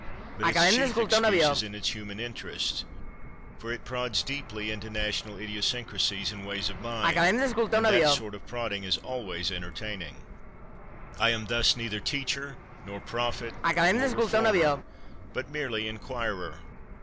But its chief excuse is its human interest, for it prods deeply into national idiosyncrasies and ways of mind, and that sort of prodding is always entertaining. I am thus neither teacher, nor prophet, nor reformer, but merely inquirer.